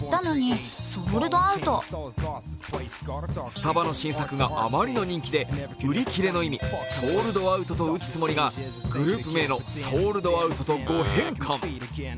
スタバの新作があまりの人気で売り切れの意味、「ＳＯＬＤＯＵＴ」と打つつもりがグループ名のＳＯＵＬ’ｄＯＵＴと誤変換。